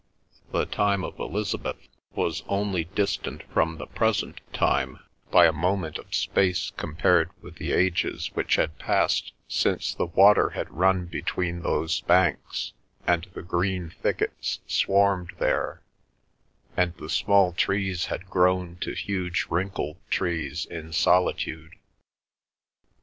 The time of Elizabeth was only distant from the present time by a moment of space compared with the ages which had passed since the water had run between those banks, and the green thickets swarmed there, and the small trees had grown to huge wrinkled trees in solitude.